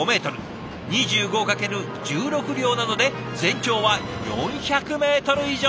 ２５×１６両なので全長は４００メートル以上。